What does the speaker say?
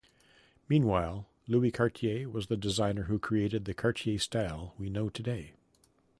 Meanwhile, Louis Cartier was the designer who created the Cartier style we know today.